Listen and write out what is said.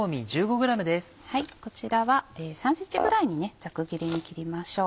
こちらは３ｃｍぐらいにざく切りに切りましょう。